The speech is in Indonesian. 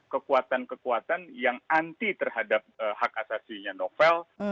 kekuatan kekuatan yang anti terhadap hak asasinya novel